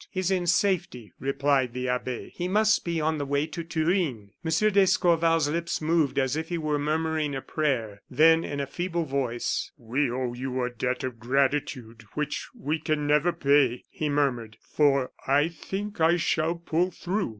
"Is in safety," replied the abbe. "He must be on the way to Turin." M. d'Escorval's lips moved as if he were murmuring a prayer; then, in a feeble voice: "We owe you a debt of gratitude which we can never pay," he murmured, "for I think I shall pull through."